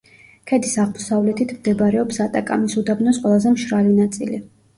ქედის აღმოსავლეთით მდებარეობს ატაკამის უდაბნოს ყველაზე მშრალი ნაწილი.